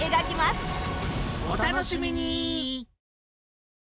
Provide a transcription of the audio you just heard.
お楽しみに！